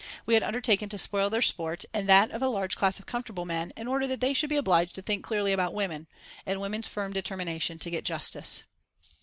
We had undertaken to spoil their sport and that of a large class of comfortable men in order that they should be obliged to think clearly about women, and women's firm determination to get justice.